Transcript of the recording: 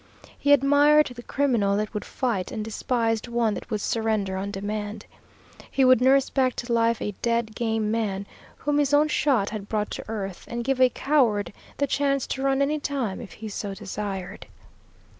He admired the criminal that would fight, and despised one that would surrender on demand. He would nurse back to life a dead game man whom his own shot had brought to earth, and give a coward the chance to run any time if he so desired.